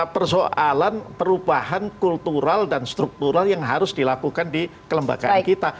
persoalan perubahan kultural dan struktural yang harus dilakukan di kelembagaan kita